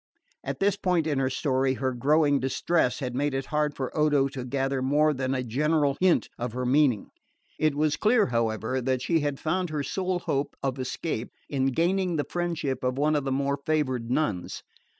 At this point in her story her growing distress had made it hard for Odo to gather more than a general hint of her meaning. It was clear, however, that she had found her sole hope of escape lay in gaining the friendship of one of the more favoured nuns.